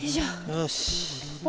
よし。